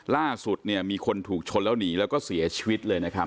ล่าสุดเนี่ยมีคนถูกชนแล้วหนีแล้วก็เสียชีวิตเลยนะครับ